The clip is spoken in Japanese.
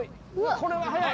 これは速い！